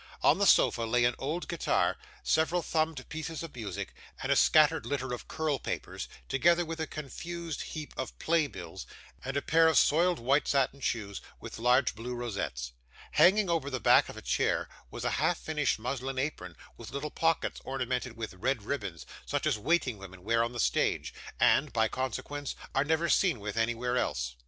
On the sofa lay an old guitar, several thumbed pieces of music, and a scattered litter of curl papers; together with a confused heap of play bills, and a pair of soiled white satin shoes with large blue rosettes. Hanging over the back of a chair was a half finished muslin apron with little pockets ornamented with red ribbons, such as waiting women wear on the stage, and (by consequence) are never seen with anywhere else.